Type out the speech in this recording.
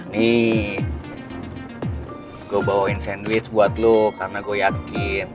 nih gue bawain sandwich buat lo karena gue yakin